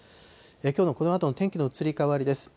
きょうのこのあとの天気の移り変わりです。